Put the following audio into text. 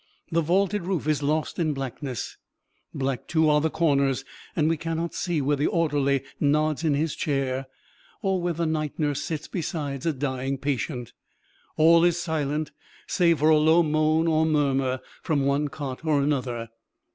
The vaulted roof is lost in blackness; black, too, are the corners, and we cannot see where the orderly nods in his chair, or where the night nurse sits beside a dying patient. All is silent, save for a low moan or murmur from one cot or another.